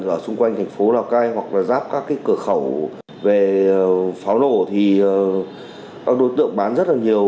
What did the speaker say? ở xung quanh thành phố lào cai hoặc là giáp các cái cửa khẩu về pháo nổ thì các đối tượng bán rất là nhiều